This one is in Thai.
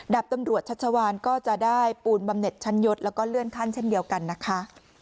ดาบตำรวจชัชวานก็จะได้ปูนบำเน็ตชั้นยศแล้วก็เลื่อนขั้นเช่นเดียวกันนะคะ